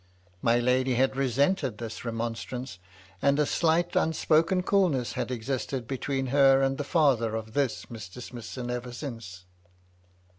My lady had resented this remonstrance, and a slight, unspoken coolness had existed between her and the father of this Mr. Smithson ever since.